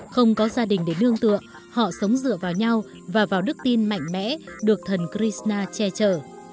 không có gia đình để nương tựa họ sống dựa vào nhau và vào đức tin mạnh mẽ được thần chrisna che chở